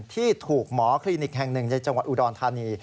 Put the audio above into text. ที่ถูกหมอคลินิกแห่งหนึ่งในจังหวัดอุดรธานี